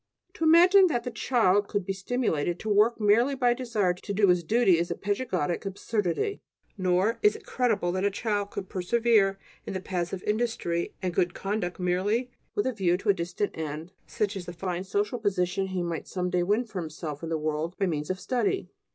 To imagine that the child could be stimulated to work merely by a desire to do his duty is a "pedagogic absurdity"; nor is it credible that a child could persevere in the paths of industry and good conduct merely with a view to a distant end, such as the fine social position he might some day win for himself in the world by means of study.